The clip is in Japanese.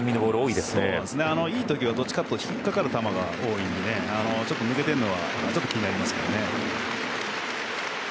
いい時はどっちかというと引っかかる球が多いので抜けてるのがちょっと気になりますけどね。